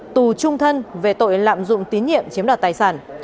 tù trung thân về tội lạm dụng tín nhiệm chiếm đoạt tài sản